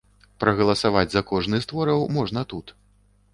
Прагаласаваць за кожны з твораў можна тут.